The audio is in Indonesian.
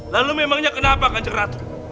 lalu memangnya kenapa ganjeng ratu